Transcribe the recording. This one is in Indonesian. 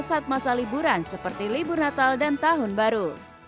saat masa liburan seperti libur natal dan tahun baru